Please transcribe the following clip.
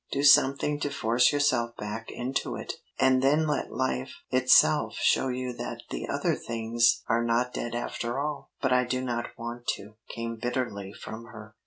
Do something to force yourself back into it, and then let life itself show you that the other things are not dead after all." "But I do not want to!" came bitterly from her.